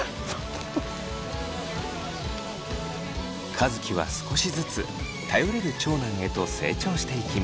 和樹は少しずつ頼れる長男へと成長していきます。